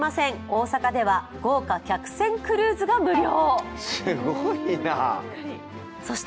大阪では豪華客船クルーズが無料。